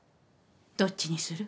どっちにする？